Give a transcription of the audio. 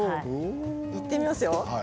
いってみますよ。